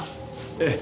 ええ。